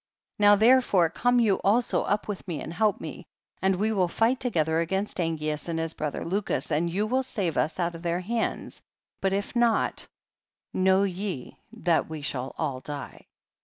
Now therefore come you also up with me and help me, and we will fight together against Angeas and his brother Lucus, and you will save us out of their hands, but if not, know ye that we shall all die.